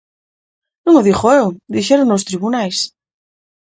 Non o digo eu, dixérono os tribunais.